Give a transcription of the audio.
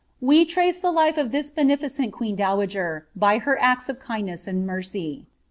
We trace the life of this beneficent qiBifr dowager, by her acts of kindness and mercy.'